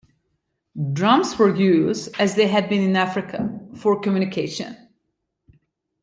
Drums were used as they had been in Africa, for communication.